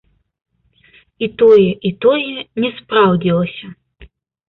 І тое, і тое не спраўдзілася.